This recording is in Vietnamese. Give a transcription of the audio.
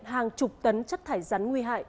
hàng chục tấn chất thải rắn nguy hại